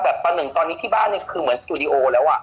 แบบตอนนี้ที่บ้านคือเหมือนสตูดิโอแล้วอ่ะ